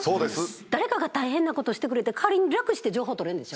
誰かが大変なことをしてくれて代わりに楽して情報取れるんでしょ？